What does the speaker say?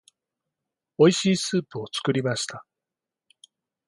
美味しいスープを作りました。